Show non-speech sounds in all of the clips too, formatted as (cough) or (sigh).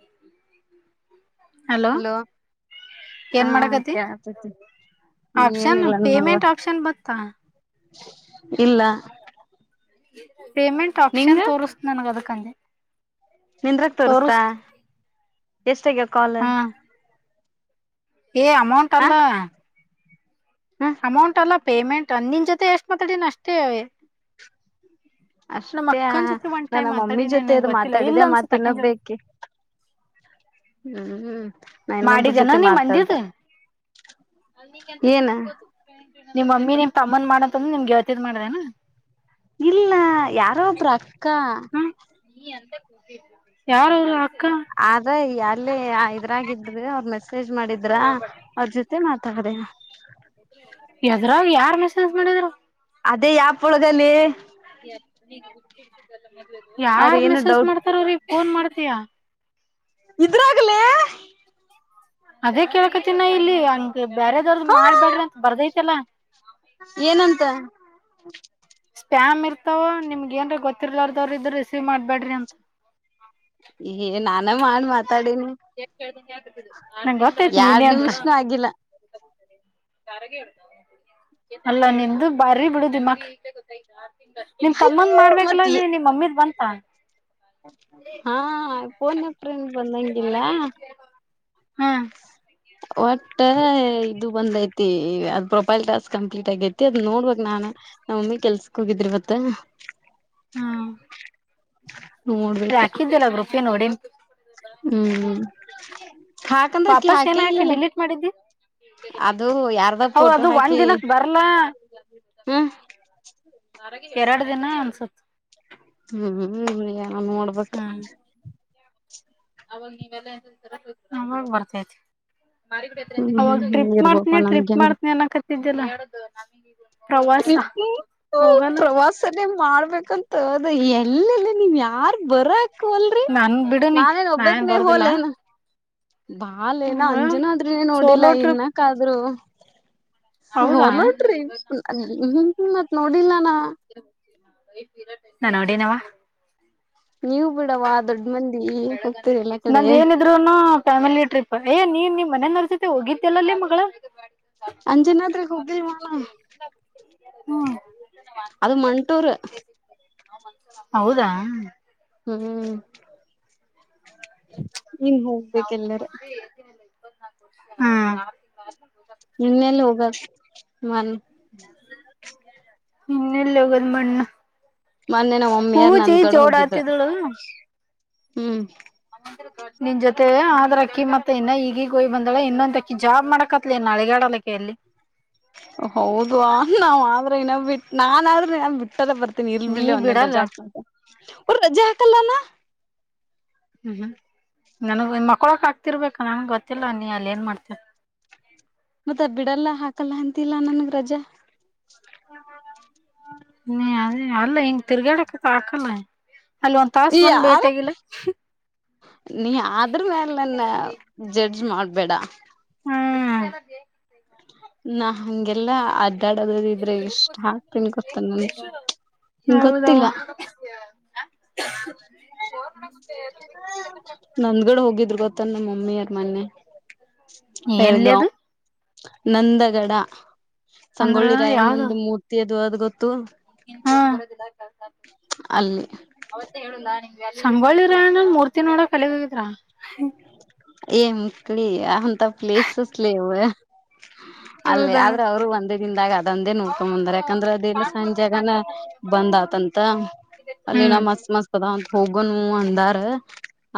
(inaudible) Hello ಹಾ ಏನ್ ಮಾಡಕತಿ ಕೇಳತತಿ ಆಪ್ಷನ್ ಏನಿಲ್ಲ ನೋಡುವ ಪೇಮೆಂಟ್ ಆಪ್ಷನ್ ಬತ್ತಾ ಇಲ್ಲ ಹ (inaudible) ಪೇಮೆಂಟ್ ಆಪ್ಷನ್ ತೋರಿಸ ನನಗ ಅದಕ್ಕೆ ಕಂದೆ ನಿಂದ್ರಕ್ ತೋರ್ಸ್ತಾ ಎಷ್ಟಗ್ಯ ಕಾಲ್ ಹಾ ಏ ಅಮೌಂಟ್ ಹ ಅಲ್ಲ ಹ ಅಮೌಂಟ್ ಅಲ್ಲ ಪೇಮೆಂಟ್ ನಿನ್ ಜೊತೆ ಎಷ್ಟು ಮಾತಾಡಿನ ಅಷ್ಟೇ ನಮ್ ಅಷ್ಟೇ ಅಕ್ಕನ್ ಜೊತೆ ಒಂದ್ ನಾನ್ ಟೈಮ್ ಮಮ್ಮಿ ಮಾತಾಡಿನೇನ್ ಜೊತೆ ಅದು ಗೊತ್ತಿಲ್ಲ ಇಲ್ಲ ಮಾತಾಡಿದೆೆ ಮತ್ತ್ ಅನ್ಸುತ್ತೆ ಇನ್ನ ಅಕಿನ್ ಜೊತೆ ಒಬೇಕಿ ಹ್ಮ ಮಾಡಿದನ ನೀ ಮಂದಿದ್ ಏನ (unintelligible) ನಿಮ್ ಮಮ್ಮಿ ನಿಮ್ ತಮ್ಮನ್ ಮಾಡತ್ಂದ್ರೆ ನಿನ್ ಗೆಳತಿಗೆ ಮಾಡಿದ್ಯೇನ. ಇಲ್ಲ ಯಾರೋ ಒಬ್ಬರು ಅಕ್ಕ. ಯಾರು ಅವ್ರು ಅಕ್ಕ ಆದ್ರ ಅಲ್ಲಿ ಇದ್ರಾಗಿದ್ರೆ ಅವ್ರ ಮೆಸ್ಸ್ ೇಜ್ ಮಾಡಿದ್ರಾ ಅವ್ರ ಜೊತೆ ಮಾ ತದ ಯದ್ರಾಗ ಯಾರ್ ಮೆಸೇಜ್ ಮಾಡಿದರು. ಅದೇ ಯಾ ಪುಳದಲ್ಲಿ ಅವ್ರ ಯಾರ್ ಏನು ಮೆಸೇಜ್ ಡೌಟ್ ಮಾಡ್ತಾರ್ರೀ. ಫೋನ್ ಮಾಡ್ತಯಾ. ಇದ್ರಾಗಲೇ ಅದೇ ಕೇಳ್ಕತಿನ ಇಲ್ಲಿ ಬೇರೆದವ್ರದ ಹಾ ಮಾಡ್ಬೇಡ್ರ ಅಂತ ಬರ್ದೈತಲ್ಲ ಏನಂತ ಸ್ಪ್ಯಾಮ್ ಇರ್ತಾವ ನಿಮಗೆ ಏನ್ರ ಗೊತ್ತಿರ್ಲಾರದವ್ರರು ಇದ್ರ ರಿಸೀವ್ ಮಾಡ್ಬೇಡ್ರಿ ಅಂತ ನಾನ ಮಾಡ ಮಾತ್ ನಂಗೆ ಗೊತ್ತಾಯತನಿ ನೀನೇ ಎರಡ್ ಅಂತ ನಿಮಿಷನೂ ಆಗಿಲ್ಲ ಎಲ್ಲ ನಿಂದು ಬಾರಿ ಬಿಡು ದಿಮಾಕ್ ನಿನ್ ತಮ್ಮಂದ ಅಯ್ಯೋ ಮಾಡ್ಬೇಕಲ್ಲ ಮತ್ ಇಲ್ಲಿ ನಿನ್ ಮಮ್ಮೀದ ಬಂದ್ ಹಾ ಹಾ ಫೋನ್ಪ್ರ ಬಂದಂಗಿಲ್ಲ ಹ್ಮ್ ಒಟ್ಟ ಇದು ಬಂದೈತಿ ಅದ್ ಪ್ರೊಫೈಲ್ ಟಾಸ್ಕ್ ಕಂಪ್ಲೀಟ್ ಆಗತಿ ಅದ್ ನೋಡ್ಬಕ್ ನಾನ್ ನಮ್ಮ ಮಮ್ಮಿ ಕೆಲ್ಸಕ್ ಹೋಗಿದ್ರಿವತ್ತ. ಹ್ಮ ನೋಡ್ಬೇಕ ಹಾಕಿದ್ದಲ್ಲ ಗರುಪಿ ನೋಡಿ ಹ್ಮ್ ಹಾಕಂದ್ರ ಅಕಿ ವಾಪಸ್ ಏನ ಹಾಕೇ ಹಾಕಿ ಇಲ್ಲಲ್ಲ ಡಿಲೀಟ್ ಮಾಡಿದ್ದಿ ಅದು ಯಾರ್ದ ಹೌದ ಫೋಟೋ ಅದು ಒಂದ್ ಹಾಕಿ ದಿನಕ್ ಬರ್ಲ್ಲ ಹ್ಮ ಎರಡು ದಿನ ಅನ್ಸ ಹ್ಮ್ ಹ್ಮ ನಾು ನೋಡ್ಬೇಕ ಹ್ಮ್ ಅವಾಗ ನೀವೆಲ್ಲಾಗ ಬರ್ತೈತಿ ಹ್ಮ್ ಾಗ ಹ್ಮ್ ಹ್ಮ್ ಟ್ರಿಪ್ ಇರ್ಬಪ್ಪ ಮಾಡ್ತಿನಿ ಟ್ರಿಪ್ ನಮ್ಗೆನ್ ಮಾಡ್ತೀನಿ ಅನ್ನ ಕತ್ತ ತಿಲ್ಲ ಟ್ರಪ್ ಪ್ರವಾಸನೇ ಮಾಡ್ಬೇಕಂತ್ ಹೌದ ಎಲ್ಲೆಲ್ಲ ನೀವು್ ಯಾರ್ ಬರ ಹೋಲ್ರಿ ನನ್ ಬಿಡು ನೀ ನಾನೇನ್ ಒಬ್ಬಕ್ ನಾನ್ ನೀವ್ ಬರ್ದಿಲ್ಲ ಹೋಲೇನ್ ಬಾಲ್ ಏನ ಹ ಅಂಜನಾದ್ರಿ ಆದ್ರನೇ ನೋಡಿಲ್ಲ ಸೋಲೋ ಟ್ರಿಪ್ ಇನ್ನಕ್ಕ ಆದ್ರು ಹೌದಾ ಸೋಲೋಟ್ರಿಪ ಹ ಮತ್ ನೋಡಿಲ್ಲಾನ ನಾ ನೋಡಿನವ ನೀವು ಬಿಡವಾ ದೊಡ್ಡ ನಂದ ಏನಿದ್ರುನು ಫ್ಯಾಮಿಲಿ ಟ್ರಿಪ್ ಏ ನೀನ್. ಮನ ನರ್ಸತೆ ಹೋಗಿಲ್ಲಲ್ಲೇ ಮಗಳ. ಅಂಜಿನಾದರಿ ಹತ್ರರಿ ಹುಬ್ಬಿ ಮಳ ಹ್ಮ್ ಅದು ಮಂಟೂರ್ ಹೌದಾ. ಹ್ಮ್. ನೀನ್ ಹೋಗ್ಬೇಕ ಎಲ್ಲಾರ ಮದೆಲ್ಲ. ಹ್ಮ್ಮ್. ನಿನ್ನೆಲ್ಲಿ ಹೋಗ ಮನ್. ಹ್ಮ್ ಇನ್ನಲ್ಲೋಗದ ಮಣ್ಣು. ಮೊನ್ನೆ ನ ಒಮ್ಮಿಾರ್ ನಂದಗಡೆ ಹೋಗಿದ್ರ. ಆತಿದಳು ಹ್ಮ್. ನಿನ್ ಜೊತೆ ಆದ್ರ ಅಕ್ಕಿ ಮತ್ತೆ ಇನ್ನ ಈಗೀಗ್ ಹಯ್ ಬಂದಾಳೆ ಇನ್ನೊಂದ ಅಕ್ಕಿ ಜಾಬ್ ಮಾಡಕತ್ಲಿ ಇನ್ನ ಹಳಿಗಾಡ್ ಅಲಕಲ್ಲಿ. ಹೌದುವ ನಾವ್ ಆದ್ರೆ ಇನ್ನ್ ಬಿಟ್ಟ. ನಾನನ್ದ್ರೂ ನನ್ ಬಿಟ್ಟದ ಬರ್ತನೆ. ಇಲ್ ನೀ ಬಿಡ್ಲ್ಲ ಒಂದ ಬಿಡಲ್ಲ ರಜ ಆಗ್ತಂತ ಒ ಜಾಕಲ್ಲಾನ (unintelligible) ಹ್ಮ್ ಹ್ಮ್ ನನಗ್ ಮಕ್ಕಳಕ್ ಆಕ್ತಿರ್ಬೇಕ ನನ್ ಗೊತ್ತಿಲ್ಲ ನೀ ಅಲ್ಲಿ ಏನ್ ಮಾಡ್ತ ಮತ್ತ ಬಿಡಲ್ಲ ಹಾಕಲ್ಲ ಅಂತಿಲ್ಲ ನನ್ಗ್ ರಜಾ. ನೀ ಅದೇ ಅಲ್ಲ ಹಿಂಗ ತಿರ್ಗಾಡಕತ್ ಹಾಕಲ್ಲ ಅಲ್ಲಿ ಒಂದ್ ತಾಸ ಈ ಮಂದ ಬೇಟ ಯಾರ ಆಗಿಲ್ಲ ನೀ ಆದ್ರ ಮೇಾಲ ನನ್ನ ಜಡ್ಜ್ ಮಾಡ ಬಿಡ ಹ್ಮ್ ನಾ ಹಂಗೆಲ್ಲ ಅ ನನ್ ಹೌದ. ಗೊತ್ತಿಲ್ಲ ನಂದ್ಗಡೆ ಹೋಗಿದ್ರು ಗೊತ್ತ ನಮ್ಮ ಮಮ್ಮಿಯಾರ್. ಮನ್ನೆ. ನೀಏನ್ಲದು ನಂದಗಡ ಅಂದ್ರ ಸಂಗೊಳ್ಳಿ ರಾಯನಂದು ಮೂರ್ತಿ. ದೊ ಅದ ಗೊತ್ತು. ಹ ಅಲ್ಲಿ ಅವತ್ತೇ ಹೇಳುಲ್ಲ ಸಂಬೊಳ್ಳಿರ್ಣ ಮೂರ್ತಿ ನೋಡಕ್ ಕಲಗೊಗಿದ್ರ ಎ ಮುಕ್ಲಿ ಅಂತ ಪ್ಲೇಸಸ್ ಲೇವ. ಅಲ್ಲೇ ಹೌದಾ ಆದ್ರೆ ಅವರು ಒಂದೇ. ಬಿಂದಾಗ. ದಂದೆ ನೋಡ್ಕೊಂಡ್ ಬಂದಾರ ಯಾಕಂದ್ರೆ ಅದೇನ ಸಂಜಗನ ಬಂದ ಆತಂತ ಅಲ್ಲಿನ ಹ್ಮ್ ಮಸ್ತ್ ಮಸ್ ಅದಂತ ಹೋಗ್ ಗೊಂ ಊ ಅಂದಾರ.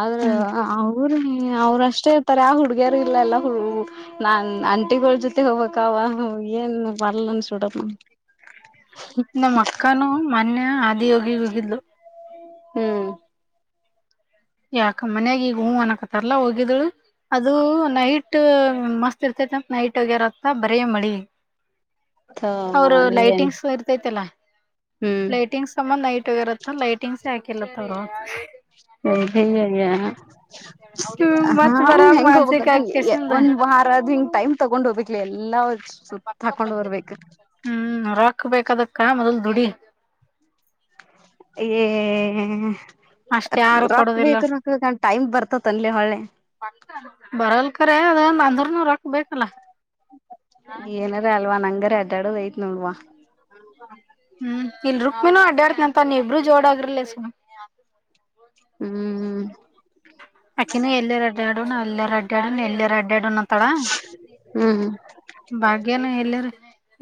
ಆದ್ರ ಹ್ಮ್ ಆ ಹುರ್ ಅವ್ರ ಅಷ್ಟೇ ಇರ್ತಾರೆ ಆ ಹುಡ್ಗ್ಯರು ಇಲ್ಲ ಎಲ್ಲಾ ಹ ನಾನ್ ಅಂಟಿಗಳ ಜೊತೆ ಹೋಗ್ಬೇಕ್ ಅವ ಏನ್ ಬರ್ಲ್ಲನ್ಸುಬಿಟ್ಟತ್ ನಮ್ಮ ಅಕ್ಕನು ಮೊನ್ಯ ಅ ಎ ಹೋಗಿ ಹೋಗಿದ್ಲು ಹ್ಮ್ ಯಾಕ ಮನ್ಯಾಗ ಈಗ ಹೂ ಅನ್ಕತಾರಲ್ಲ ಹೋಗಿದಳು ಅದು ನೈಟ್ ಮಸ್ತ್ ಇರ್ತೇತಿ ನೈಟ್ ಆಗ್ಯಾರತ್ತ ಬರಿ ಮಳಿ ಅವರು ಏನ್ ಲೈಟಿಂಗ್ಸ್ ಇರ್ತೈತಲ್ಲ ಲೈಟಿಂಗ್ಸ್ ಸಮ್ಮ ನೈಟ್ ಆಗ ಇರತ್ತ ಲೈಟಿಂಗ್ಸ್ ಹಾಕಿ ಎಲ್ಲತ್ತವ್ರ ಅಯಯ್ಯಯ್ಯ ಹ್ಮ್ ಹಾ ಮತ್ ಬರಾಗ ಹೆಂಗ ಮಾನ್ಸಿಕ ಹೋಗಬೇಕತ್ನ್ ಆಕ್ಯಸಿಂದ ಒಂದ್ ವಾರ ಆದ ಹಿಂಗ್ ಟೈಮ್ ತಗೊಂಡ್ ಹೋಬೇಕ್ ಲೆ ಅಲ್ಲಿ ಲೌಡ್ ಸುತ್ತ ಹಾಕೊಂಡ್ ಬರ್ಬೇ ರಾಕ್ ಬೇಕದಕ್ಕ ಮೊದಲ್ ದುಡಿ ಏ. ಅಷ್ಟ ಯಾರು ಕೊಡೋದಿಲ್ಲ ರೋಕ್ಬೇಕ್ ರೋಕ್ಬೇಕ್ ಅಂತ್ ಟೈಮ್ ಬರ್ತತ್ ಏನ್ ಲೆ ಹೊಳ್ಳೆ ಖರೆ ಅದ ಅಂದ್ರನೂ ರೊಕ್ ಬೆಕಲ್ಲಾ ಏನರ. ಅಲ್ವಾ ನಂಗರ ಅಡ್ಡಡ ಐತ್ ನೋಡವಾ ಹ್ಮ್ ಇಲ್ರ ಮೇನು ಅಡ್ಡ ಅರ್ತನ ತ ನೀ ಇಬ್ಬರು ಜೋಡ ಆಗ್ರಲ್ಲಸ. ಹ್ಮ್ ಅಕೆನ ಎಲ್ಲರ ರಡ್ಡ ನ ಅಲ್ಲೇ ರಡ್ಡ ಎಲ್ಲೆ ರಡ್ಡನು (unintelligible) ತಳ ಹ್ಮ್ ಭಾಗ್ಯನ ಎಲ್ಲಾರ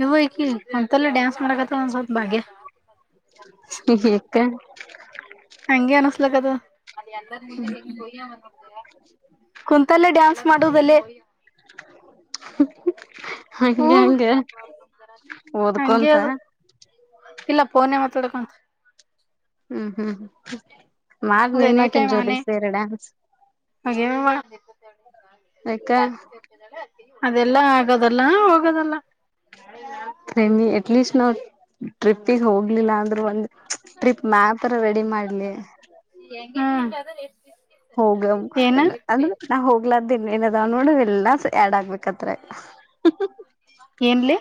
ಇವಕಿ ಒಂತಲ್ಲ ಡ್ಯಾನ್ಸ್ ಮಾಡಕತ್ತ ಒಂದ್ಸವಲ್ತ್ ಭಾಗ್ಯ. ಹ. (inaudible) ಹಂಗೆ ಅನ. ಲ ಕದ ಕುಂತಲ್ಲೇ ಡ್ಯಾನ್ಸ್ ಮಾಡೋ ದಲ್ಲೇ ಹಂಗೆ ಹ್ಮ್ ಹಂಗೆ ಹಂಗೆ ಓದ್ಕೊಂತ ಅದು ಇಲ್ಲ ಫೋನ್ ಡಕಂ (inaudible) ತ ಹ (unintelligible) ಅದ ಎನಿ ಟೈಮ್ ಆನೆ ಹಾಗ ಯಾಕ ಅದೆಲ್ಲ ಆಗದಲ್ಲ ದಲ್ಲ ಎಟ್ಲೀಸ್ಟ್ ನಾವ್ ಟ್ರಿಪ್ಪಿಗೆ ಹೋಗ್ಲಿಲ್ಲ ಅಂದ್ರೂ ಒಂದ ಟ್ರಿಪ್ ಮ್ಯಾಪರ ರೆಡಿ ಮಾಡ್ಲಿ ಹೋಗ ಏನ ಅಂದ್ರ ನಾ ಹೋಗ ಆಗ್ಲ್ದನ್ ಏನದ್ಬಡ ಎಲ್ಲ ಆಡ್ ಆಗ್ಬೇಕತ್ರ ಏನ್ಲಿ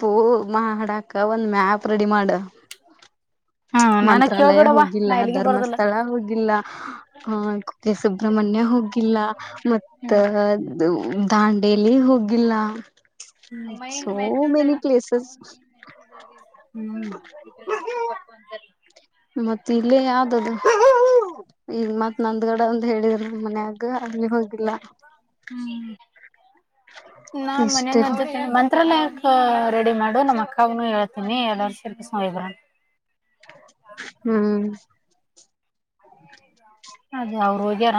ಪ್ಪೂ ಮಾ ಹಡಾಕ ಒಂದ್ ಮ್ಯಾಪ್ ರೆಡಿ ಮಾಡ ಹ್ಮ ನನಗ್ ಮಂತ್ರಾಲಯ ಕೇಳ್ಬೇಡವ ಹೋಗಿಲ್ಲ ನಾ ಎಲ್ಲಿಗೆ ಬರೋದಿಲ್ಲ ಧರ್ಮಸ್ಥಳ ಹೋಗಿಲ್ಲ ಆ ಕುಕ್ಕೆ ಸುಬ್ರ್ಮಣ್ಯ ಹೋಗಿಲ್ಲ ಮತ್ತ ದಾಂಡೇಲಿ ಹೋಗಿಲ್ಲ ಸೋ ಮೆನಿ (inaudible) ಪ್ಲೇಸಸ್ ಮ್ ಮ ಮತ್ ಇಲ್ಲೇ ಯಾವ್ದದು (unintelligible) ಈಗ ಮತ್ ನಂದ್ಗಡ ಒಂದು ಹೇಳಿದ್ರ ಮನೆಯಾಗ ಹ (unintelligible) ಹ್ಮ್ ನ ಮನೆ ಇಷ್ಟಿಲ್ಲ ನತೆ ಮ ಮಂತ್ರಾಲಯ ಕೆ ರೆಡಿ ಮಾಡು ನಮ್ಮ್ ಅಕ್ಕಾಗನು ಹೇಳ್ತೀನಿ ಎಲ್ಲ ವನ್ ದಿನಕ್ ಬರೋಣ ಹ್ಮ್ ಅದ ಅವರು ಹೋಗ್ಯಾರ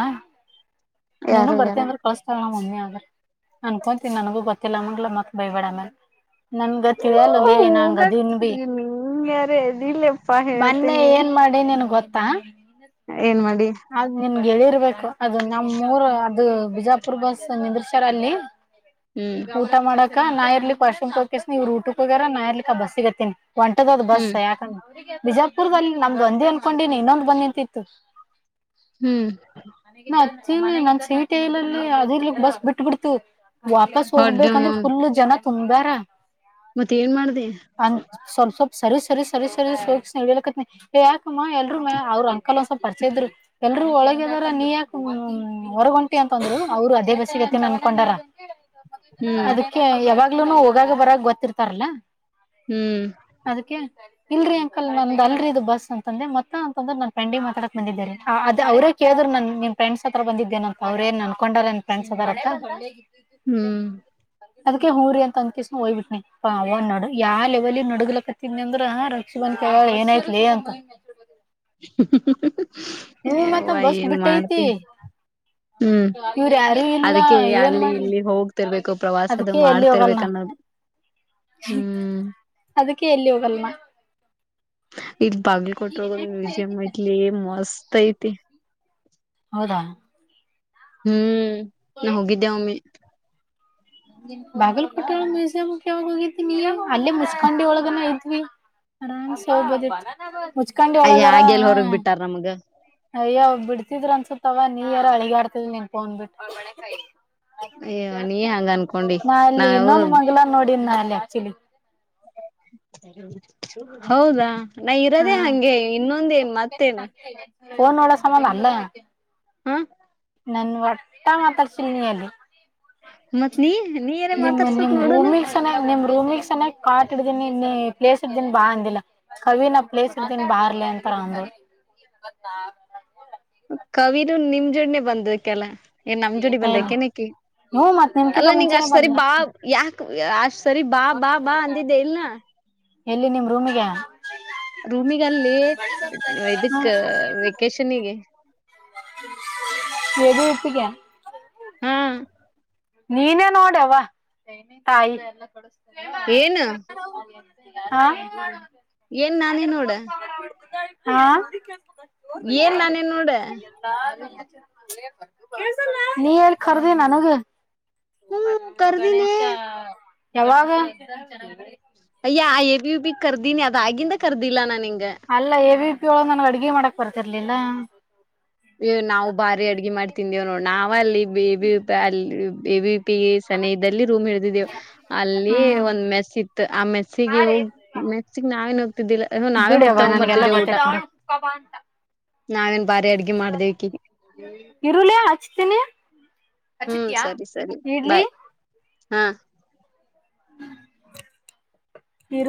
ನೀವನು ಬರ್ತ ಯಾರೋಗ್ಯಾರ ಅಂದ್ರೆ ಕಳಸ್ತಾಲ್ ನ ಮಮ್ಮಿ ಅನ್ಕೊಂತೀನಿ ನನ್ಗೂ ಗೊತ್ತಿಲ್ಲಂಗಲ ಮತ್ತ ಬೈಬೇಡ್ಮೇಲೆ ನನ್ ಗೊತ್ತಿದೆ ಅಲ್ಲ ಲ ನಂಗ ಹೋಗ ಅದನ್ ಭ ನಿಂಗ್ಯಾರ ಎದಿಲ್ಲಪ್ಪಾ ಮೊನ್ನೆ ಹೇಳ್ತೀನಿ ಏನ್ ಮಾಡಿ ನನ್ ಗೊತ್ತ ಹಾ ಏನ್ ಮಾಡಿ ನಮ್ಗೆರ್ಬೇಕು ಅದು ನಮ್ಮ್ ಮೂರ್ ಅದು ಬಿಜಾಪುರ್ ಬಸ್ ನಿದ್ರಶಾರ ಅಲ್ಲಿ ಹ್ಮ್ ಈಗ ಊಟ ಮಾಡಕ್ ಹ ನಾ ಇರ್ಲಿ ಪರ್ಶಮ ತಕನ ನೀವು ರೂಟಕ್ ಹೋಗ್ಯಾರ ನಾ ಇರ್ಲಿಕ್ಕೆಕ್ಕ ಬಸ್ ಸಿಗತ್ತಿನಿ. ಒಂಟದ ಅದ ಬಸ್ಸ ಹ್ಮ್ ಯಾಕಂದ. ಬಿಜಾಪುರ್ದಲ್ಲಿ ನಮ್ದು ಒಂದೇ ಅನ್ಕೊಂಡೀನಿ ಇನ್ನೊಂದು್ ಬಂದ ನಿಂತಿತ್ತು. ಹ್ಮ್ ನಾ ನನ್ ಸೀಟಿಲ್ಲಿ ಅದ ಇಲೀ ಬಸ್ ಬಿಟ್ಟ ಬಿಟ್ ಬಿಡ್ತು. ವಾಪಸ್ ಹೋಗ್ಬೇಕಂದ್ರೆ ಫುಲ್ ಜನ ತುಂಬಾರ. (inaudible) ಮತ್ತೆ ಏನ್ ಮಾಡ್ದ ಅಂದ್ ಸ್ವಲ್ಪ ಸ್ವಲ್ಪ ಸರಿ ಸರಿ ಸರಿ ಸರಿ ಸೋಗ ಇಡಿಯಲಕತ್ ಯಾಕಮ್ಮ ಎಲ್ರುೂ ಮ ಅವ್ರ ಕಲಂದ್ವಲ್ ಪರಿಚ ಇದ್ರು ಎಲ್ರುೂ ಒಳಗಿದಾರ ನೀ ಯಾಕ ಹೊರಗುಂಟಿ ಅಂತಂದ್ರು ಅವರು ಅದೇ ಬಸ್ಸಿಗೆತ್ತ ಅನ್ಕೊಂಡಾರ. ಹ್ಮ್ ಅದಕ್ಕೆ ಯಾವಾಗ್ ಲೂ ಹೋಗಾಗ ಬರಾಗ ಗೊತ್ತಿರ್ತಾರಲ್ಲ. ಹ್ಮ್ ಅದಕ್ಕೆ. ಇಲ್ರರಿ ಅಂಕಲ್ ನಂದ ಅಲ್ರಿ ಇದು ಬಸ್ ಅಂತಂದೆ ಮತ್ತ ಅಂತಂದ್ರೆ ನನ್ ಫ್ರಂಡಿಗೆ ಮಾತಾಡಕ ಬಂದಿದ್ದೇರಿ. ಹ ಅದ ಅವ್ರೇ ಕೇಳಿದ್ರು ನನ್ ನಿನ್ ಫ್ರಂಡ್ ಹತ್ರ ಬಂದಿದ್ದೇನಂತ ಅವ್ರೇನ್ ಅನ್ಕೊಂಡಲ್ಲ ನಿನ್ ್ರಂಡ್ಸ್ ಅದರ ಅಂತ. ಹ್ಮ್ (unintelligible) ಅದಕಕ್ಕೆ ಹಊರಿ ಅಂತ ಅನ್ಕಿಸಸ ಹಯ್ಬಿಟ್ಟನಿ ಅವ್ ನೋಡು ಯಾವ ಲೆವೆಲ್ ನಡ್ಗ್ಲಕತ್ತಿನಿ ಅಂದ್ರ ರಕ್ಷಿ ಬನ್ ಕೇಳೋಳೆ ಏನಾಯತ್ಲಿ ಅಂತ. (unintelligible) ಹ್ಮ್ ಮತ್ತ ಯವ್ವ ಬಸ್ ಏನ್ ಬಿಟ್ಟೈತಿ ಮಾಡ್ತಿ ಹ್ಮ್ ಇವ್ರ ಯಾರ ಇಲ್ಲ ಅದಕ್ಕೆ ಏನ್ ಅಲ್ಲಿ ಮಾಡ್ಲಿ ಇಲ್ಲಿ ಹೋಗ್ತಿರ್ಬೇಕು ಪ್ರವಾಸದು ಅದಕೆ ಎಲ್ಲಿ ಮಾಡ್ತಿರ್ಬೇಕ ಹೋಗಲ್ನಾ ಅನ್ನೋದು ಹ್ಮ್ ಅದಕ್ಕೆ ಎಲ್ಲಿ ಹೋಗಲ್ನ. ಇಲ್ಲಿ ಬಾಗಲಕೋಟೆ ಒಳಗೊಂದು ಮ್ಯೂಸಿಯಂ ಐಟ್ಲೆ ಮಸ್ತ್ ಆತ ಐತಿ ಹೌದಾ ಹ್ಮ್ ನಾ ಹೋಗಿದ್ದೇವ ಒಮ್ಮೆ ಬಾಗಲ್ಕೋಟರ ಮ್ಯುಜಿಯಮ್ ಯಾವಾಗ್ ಹೋಗಿದಿ ನಿ ಯಾವಾಗ ಹೋಗಿದಿ ಅಲ್ಲಿ ಮುಸ್ಕೊಂಡಿ ಒಳಗನ (unintelligible) ಅರಾಮ್ ಸೆ ಒಗಬೋದಿತು ಮುಚ್ಕೊಂಡಿ ಅಯ್ಯ ಒಳಗಾರ ಆಗ್ಯಲ್ ಹೊರಗ್ ಹ್ಮ್ ಬಿಟ್ಟಾರ ನಮಗ ಅಯ್ಯ ಬಿಡ್ತಿದ್ರ ಅನ್ಸತ್ವ ನೀ ಯಾರ ಅಳಗಾಡ್ತಿಲ್ ನಿನ್ಕೋೊಂಡನ್ ಬಿಟ್ಟ. ಏ ನಿ ನಾ ಇಲ್ಲಿ ಇನ್ನೊಂದು ಮಂಗಲ ನೋಡಿನ್ ಹಲ್ಲ ಆಕ್ಚಲಿ ಹೌದಾ ನಾ ಹಾ ಇರೋದೇ ಹಂಗೆ ಇನ್ನೊಂದ ನ್ ಮತ್ತೇನ್. ಫನ್ ಒಳಾ ಸಮಯ ಅಲ್ಲ ಹ್ಮ ನನ್ ಒಟ್ಟ ಮಾತಾಡ್ಸ ನೀ ಅಲ್ಲಿ ಮತ್ ನೀ ನೀಯರ ನಿಮ್ಮ ಮಾತಾಡ್ಸಕ್ ನಿಮ್ ನೋಡೋಣ ರೂಮಿ ಸ ನಿ ರೂಮಿಕ್ಸ್ ಸನ ಕಾಟ್ ಇಡ್ದನಿ ಪ್ಲೇಸ್ ಹಿಡದಿನಬಾ ಅಂದಿಲ್ಲ ಕವಿನ ಪ್ಲೇಸ್ ಹಿಡಿದಿಣಿ ಬಾ ಇರ್ಲಿ ಅಂತಾರ ಅಂದರು ಕವಿರು ನಿಮ್ ಜೋಡ್ನೆ ಬಂದಕ್ಕೆಲ್ಲ ಏನ್ ನಮ ಜೋಡಿ ಬಂದ ಎಲ್ಲಿ ಕೆನಕಿ ಹ್ಮ ಮತ್ ಅಲ್ಲ ನಿಮ್ಕಿಂತ ನೀಂಗ ಮುಂಚೆನೆ ಅಷ್ಟ ಸರಿ ಬಂದ್ಲ ಬಾ ಯಾಕ ಅಷ್ಟ ಸರಿ ಬಾ ಬಾ ಬಾ ಅಂಧದೆಲ್ ನಾ ಎಲ್ಲಿ ನಿಮ್ ರೂಮಿಗೆ ರೂಮಗ ಅಲ್ಲಿ ಇದಕ್ ವೆೇಕೇಶನಗೆ ನದ ಇಪ್ಪಿಕ (inaudible) ಹ ನೀನೇ ನೋಡವಾ ತಾಯಿ ಯ ಏನು ಹಾ ಏನ್ ನಾನೇ ನೋಡ ಹಾ ಏನ್ ನಾನೇ ನೋಡ ಲ್ಲ ನೀರದ ನಾನಗೆ ಹ್ಮ್ ಕರ್ದಿನಿ ಗಣೇಶ ಯಾವಾಗ ಅಯ ಬಿ ಕರ್ದಿದಿನಿ ಆಗಿಂದ ಕರ್ದಿಲ್ಲಾ ನಾ ನಿಗೆ ಅಲ್ಲ ವಿ ಯೊ ನನು ಅಡ್ಗೆ ಮಾಡಕ್ ಬರ್ತಿರ್ಲಿಲ್ಲ ನಾವು ಭಾರಿ ಅಡ್ಗೆ ಮಾಡ್ತಿಂದೇವ್ ನೋ ನಾವ ಅಲ್ಲಿ ಬೇಬಿ ಅ ಇವಿ ಪಿ ಸನಿ ಇದಲ್ಲಿ ರೂಮ್ ಹಿಡ್ದಿದ್ದೇವು ಅಲ್ಲಿ ಹ್ಮ್ ಒಂದ್ ಮೆಸ್ ಇತ್ತು ಆ ಮೆಸ್ಸಿಗೆ ಹೋಗಿ ಮೆಸ್ಸಿಗೆ ನಾವೇನು ಬಿಡವ ನನ್ಗೆಲ್ಲ ಗೊತ್ತೇತನಿ ನಾವನ್ ಬರ ಇರುಳಯ ಹಚ್ತೀನಿಯ ಹ್ಮ್ ಸರಿ ಸರಿ ಇಡ್ಲಿ ಹಾ ಇರ